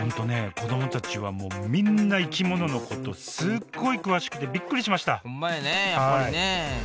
子どもたちはみんな生き物のことすっごい詳しくてびっくりしましたほんまやね